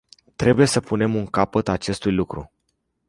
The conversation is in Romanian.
Trebuie să punem un capăt acestui lucru.